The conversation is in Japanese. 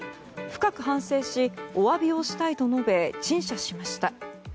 深く反省し、お詫びをしたいと述べ陳謝しました。